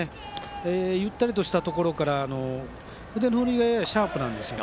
ゆったりとしたところから腕の振り以外はシャープです。